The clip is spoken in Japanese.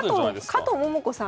加藤桃子さん